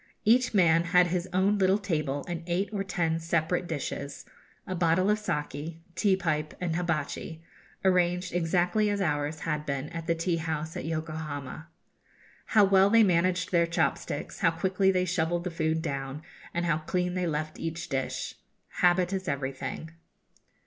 Each man had his own little table and eight or ten separate dishes, a bottle of saki, tea pipe, and hibatchi, arranged exactly as ours had been at the tea house at Yokohama. How well they managed their chop sticks, how quickly they shovelled the food down, and how clean they left each dish! Habit is everything.